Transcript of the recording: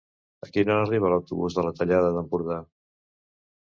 A quina hora arriba l'autobús de la Tallada d'Empordà?